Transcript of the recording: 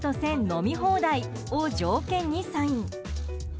飲み放題を条件にサイン。